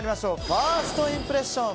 ファーストインプレッション。